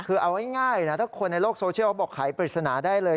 คือเอาง่ายนะถ้าคนในโลกโซเชียลเขาบอกขายปริศนาได้เลย